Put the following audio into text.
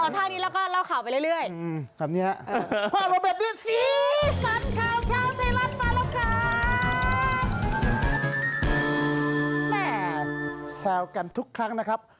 แซวกันทุกครั้งนะครับ